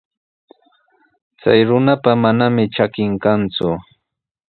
Chay runapa manami trakin kanku.